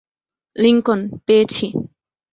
Lincoln, পেয়েছি।